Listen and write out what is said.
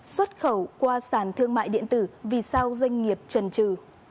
xuất khẩu qua sản thương mại điện tử vì sao doanh nghiệp trần trừ